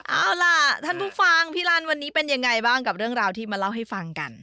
เอาล่ะท่านผู้ฟังพี่ลันวันนี้เป็นยังไงบ้างกับเรื่องราวที่มาเล่าให้ฟังกัน